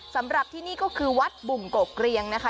สำหรับที่นี่ก็คือวัดบุ่มโกเกรียงนะคะ